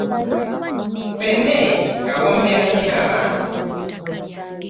Ffene awomera nnyo abantu.